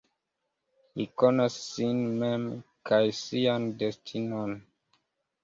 Li konas sin mem kaj sian destinon.